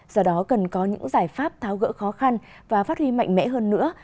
do đó cần có những giải pháp tháo gỡ khó khăn và phát huy mạnh mẽ hơn nữa